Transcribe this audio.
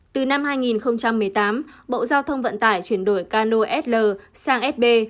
từ năm hai nghìn một mươi tám bộ giao thông vận tải chuyển đổi cano sl sang sb